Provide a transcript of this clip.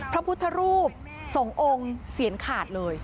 พระพุทธรูปสององค์เสียนขาดเลย